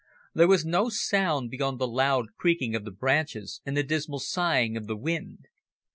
There was no sound beyond the low creaking of the branches and the dismal sighing of the wind.